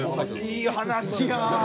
いい話や！